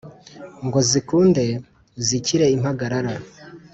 ngo zikunde zikire impagarara